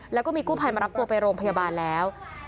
แล้วก็มีกู้ภัยมารับตัวไปโรงพยาบาลแล้ว